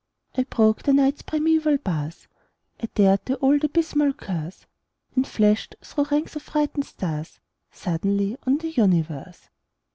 I broke the Night's primeval bars, I dared the old abysmal curse, And flashed through ranks of frightened stars Suddenly on the universe!